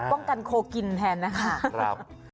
กันโคกินแทนนะคะ